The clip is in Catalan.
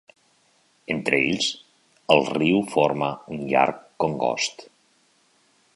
Entre ells, el riu forma un llarg congost.